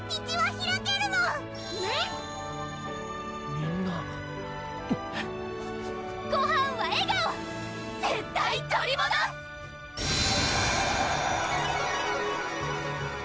みんなごはんは笑顔絶対取りもどす！